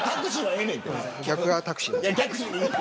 客がタクシー。